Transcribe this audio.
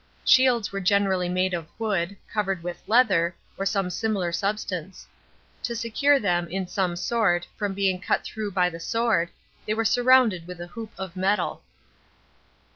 Shields were generally made of wood, covered with leather, or some similar substance. To secure them, in some sort, from being cut through by the sword, they were surrounded with a hoop of metal.